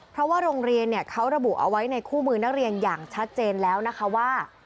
เพราะว่าโรงเรียนเขาระบุเอาไว้ในคู่มือนักเรียนอย่างชัดเจนแล้วนะคะว่า